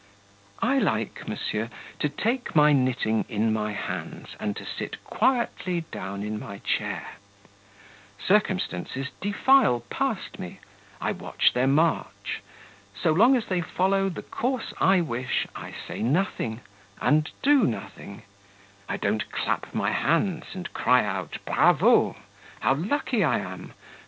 "I like, monsieur, to take my knitting in my hands, and to sit quietly down in my chair; circumstances defile past me; I watch their march; so long as they follow the course I wish, I say nothing, and do nothing; I don't clap my hands, and cry out 'Bravo! How lucky I am!